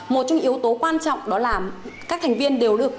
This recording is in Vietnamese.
một trong những yếu tố quan trọng đó là các thành viên đều được